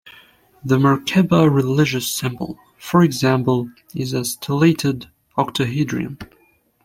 The Merkaba religious symbol, for example, is a stellated octahedron.